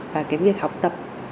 và cái việc học tập